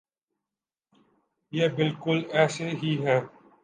یہ بالکل ایسے ہی ہے۔